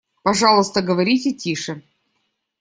Пожалуйста, говорите тише.